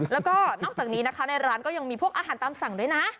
แล้วก็นอกจากนี้นะคะในร้านก็ยังมีพวกอาหารตามสั่งด้วยนะ